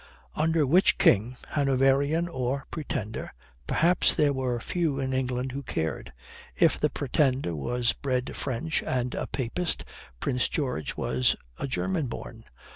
"Under which King" Hanoverian or Pretender perhaps there were few in England who cared. If the Pretender was bred French and a Papist, Prince George was a German born.